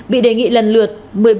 bị đề nghị lần lượt